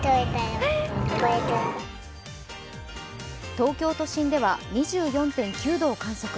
東京都心では２４．９度を観測。